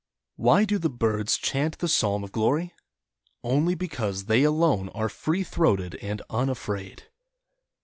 Why do the birds chant the psalm of glory? Only because they alone are free throated and un afraid.